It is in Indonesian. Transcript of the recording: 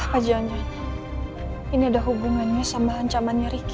apa janjanya ini ada hubungannya sama ancamannya ricky